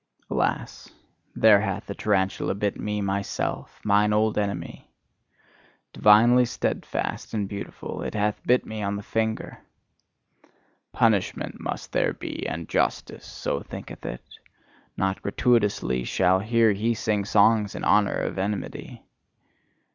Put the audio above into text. Alas! There hath the tarantula bit me myself, mine old enemy! Divinely steadfast and beautiful, it hath bit me on the finger! "Punishment must there be, and justice" so thinketh it: "not gratuitously shall he here sing songs in honour of enmity!"